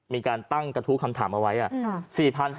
มีการตั้งกระทู้คำถามเอาไว้